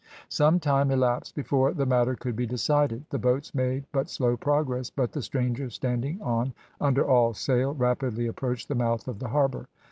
Some time elapsed before the matter could be decided. The boats made but slow progress, but the stranger standing on under all sail rapidly approached the mouth of the harbour.